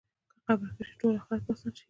که قبر ښه شي، ټول آخرت به اسان شي.